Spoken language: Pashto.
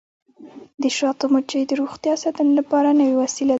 د شاتو مچۍ د روغتیا ساتنې لپاره نوې وسیله ده.